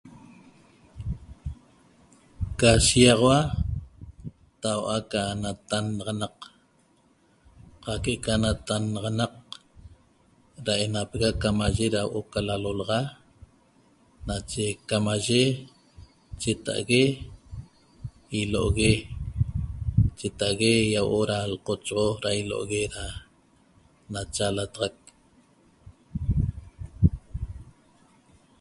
Ca shiýaxaua tau'a ca natannaxanaq qaq que'eca natannaxanaq da enapega camaye da huo'o ca lalolaxa nache camaye cheta'ague ilo'ogue cheta'ague ýauo'o da lqochoxo da ilo'ogue da nachaalataxac